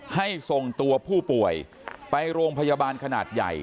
ส่งตัวผู้ป่วยไปโรงพยาบาลขนาดใหญ่